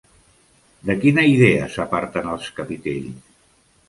De quina idea s'aparten els capitells?